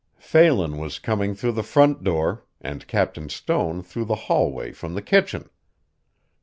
Phelan was coming through the front door and Captain Stone through the hallway from the kitchen.